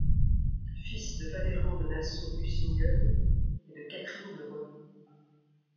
Fils de Valéran de Nassau-Usingen et de Catherine de Rœux.